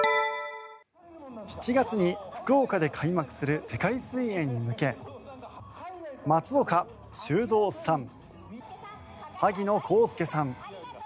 ７月に福岡で開幕する世界水泳に向け松岡修造さん、萩野公介さん